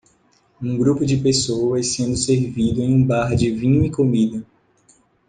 Um grupo de pessoas sendo servido em um bar de vinho e comida